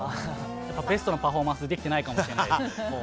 ベストなパフォーマンスをできてないかもしれないです。